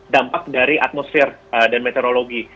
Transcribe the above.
dampak dari atmosfer dan meteorologi